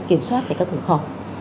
kiểm soát tại các cửa khẩu